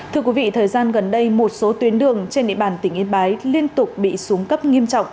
thưa quý vị thời gian gần đây một số tuyến đường trên địa bàn tỉnh yên bái liên tục bị xuống cấp nghiêm trọng